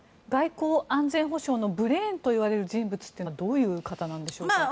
外交・安全保障のブレーンといわれる人物というのはどういう方なんでしょうか。